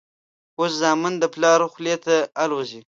اوس زامن د پلار خولې ته الوزي.